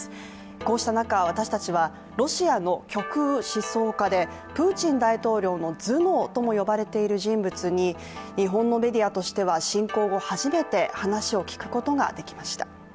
こうした中、私たちはロシアの極右思想家でプーチン大統領の頭脳とも呼ばれている人物に、日本のメディアとしては侵攻後初めて話を聞くことができました。